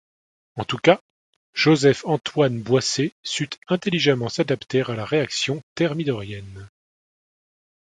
En tout cas Joseph Antoine Boisset sut intelligemment s’adapter à la réaction thermidorienne.